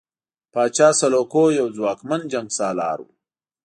پاچا سلوکو یو ځواکمن جنګسالار وو.